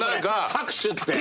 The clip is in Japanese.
拍手って。